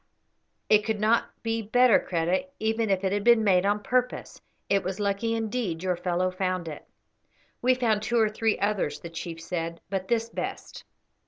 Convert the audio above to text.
"It could not be better, Kreta, even if it had been made on purpose. It was lucky indeed your fellow found it." "We found two or three others," the chief said, "but this best."